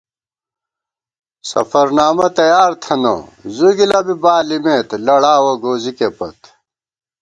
سفرنامہ تیار تھنہ زُو گِلہ بی بالِمېت لڑاوَہ گوزِکےپت